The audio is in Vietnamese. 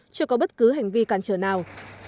chưa có bất cứ hành vi cản trở nào